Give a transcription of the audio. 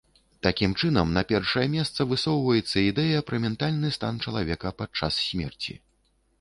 Такім чынам, на першае месца высоўваецца ідэя пра ментальны стан чалавека падчас смерці.